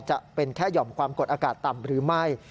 จะเป็นแค่หย่อมความกดอากาศต่ำหรือไม่